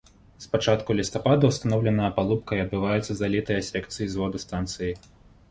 З пачатку лістапада ўстаноўлена апалубка і адбываецца залітыя секцый зводу станцыі.